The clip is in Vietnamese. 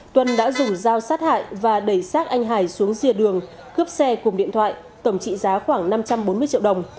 tuân đã dùng dao sát hại và đẩy sát anh hải xuống rìa đường cướp xe cùng điện thoại tổng trị giá khoảng năm trăm bốn mươi triệu đồng